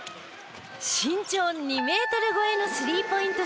身長２メートル超えのスリーポイント